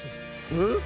えっ？